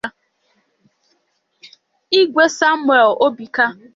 Igwe Samuel Obika